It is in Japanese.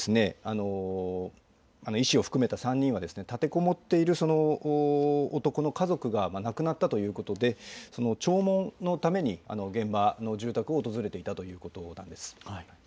医師を含めた３人は立てこもっている男の家族が亡くなったということで弔問のために現場の住宅を訪れていたということなんです。